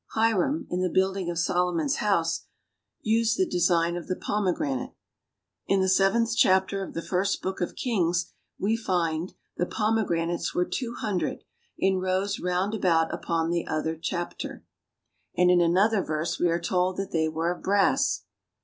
Hiram, in the building of Solomon's house, used the design of the Pomegranate. In the seventh chapter of the First Book of Kings we find "the pomegranates were two hundred, in rows round about upon the other chapiter," and in another verse we are told that they were of brass.